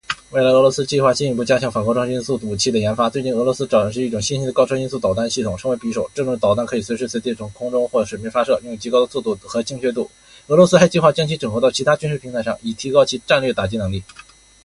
未来，俄罗斯计划进一步加强反高超音速武器的研发。最近，俄罗斯展示了一种新型的高超音速导弹系统，称为“匕首”。这种导弹可以随时随地从空中或水面发射，具有极高的速度和精确度。俄罗斯还计划将其整合到其他军事平台上，以提高其战略打击能力。